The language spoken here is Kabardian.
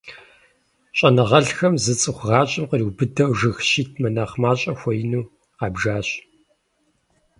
ЩӀэныгъэлӀхэм зы цӀыху гъащӀэм къриубыдэу жыг щитӀ мынэхъ мащӀэ хуеину къабжащ.